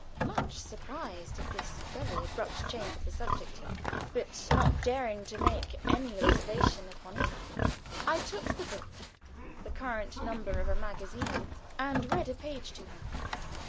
Much surprised at this very abrupt change of the subject, but not daring to make any observation upon it, I took the book the current number of a magazine and read a page to her.